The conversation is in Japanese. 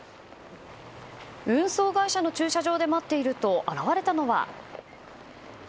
運送会社の駐車場で待っていると現れたのは。